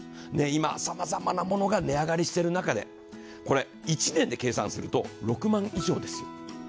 今様々なものが値上がりしてる中でこれ１年で計算すると６万以上です。